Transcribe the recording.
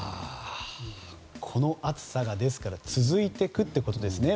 この暑さが、ですから続いていくということですね。